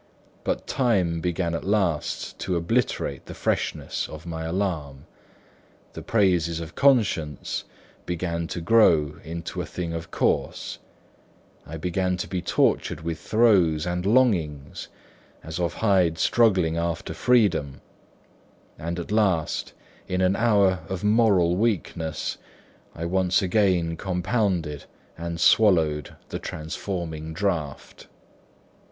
But time began at last to obliterate the freshness of my alarm; the praises of conscience began to grow into a thing of course; I began to be tortured with throes and longings, as of Hyde struggling after freedom; and at last, in an hour of moral weakness, I once again compounded and swallowed the transforming draught.